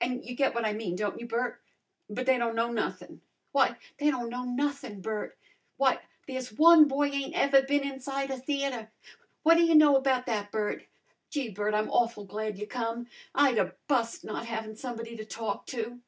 An' you get what I mean, don't you, Bert? But they don't know nothin'. Why, they don't know nothin', Bert! Why, there's one boy ain't ever been inside a theatre! What ta you know about that, Bert? Gee, Bert, I'm awful glad you come! I'd 'a' bust not havin' somebody to talk to."